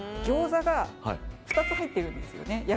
餃子が２つ入ってるんですよね